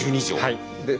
はい。